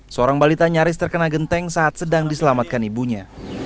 seorang balita nyaris terkena genteng saat sedang diselamatkan ibunya